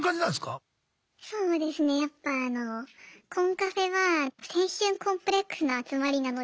そうですねやっぱあのコンカフェは青春コンプレックスの集まりなので。